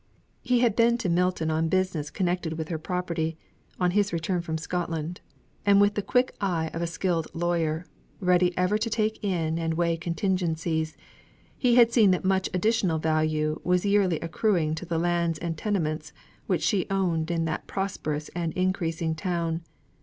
He had been to Milton on business connected with her property, on his return from Scotland; and with the quick eye of a skilled lawyer, ready ever to take in and weigh contingencies, he had seen that much additional value was yearly accruing to the lands and tenements which she owned in that prosperous and increasing town.